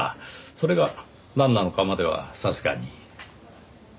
それがなんなのかまではさすがに。